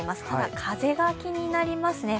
ただ、風が気になります。